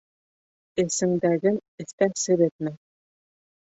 Эсеңдәген эстә серетмә.